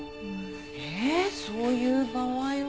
えっそういう場合は。